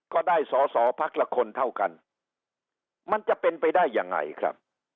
ก็ได้สอสอพักละคนเท่ากันมันจะเป็นไปได้ยังไงครับ